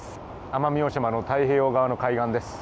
奄美大島の太平洋側の海岸です。